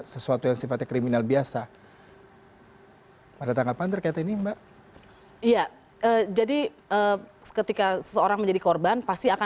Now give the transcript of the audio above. sesuatu yang sifatnya kriminal biasa